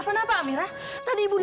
man warung itu abnormal